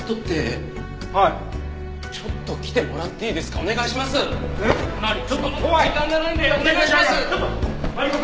お願いします！